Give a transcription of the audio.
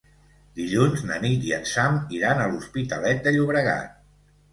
Dilluns na Nit i en Sam iran a l'Hospitalet de Llobregat.